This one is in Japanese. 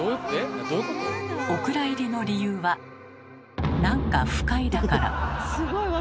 お蔵入りの理由は「なんか不快」だから。